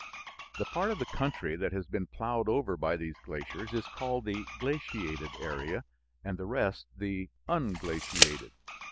The part of the country that has been plowed over by these glaciers is called the glaciated area and the rest the unglaciated.